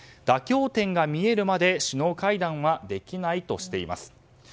妥協点が見えるまで首脳会談はできないとしています。